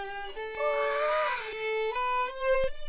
うわ！